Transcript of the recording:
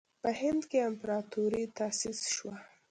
په هند کې امپراطوري تأسیس شوه.